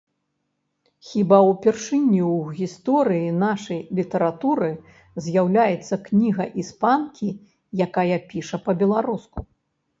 Хіба ўпершыню ў гісторыі нашай літаратуры з'яўляецца кніга іспанкі, якая піша па-беларуску.